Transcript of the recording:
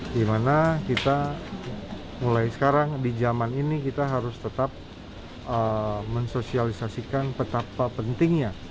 dimana kita mulai sekarang di zaman ini kita harus tetap mensosialisasikan betapa pentingnya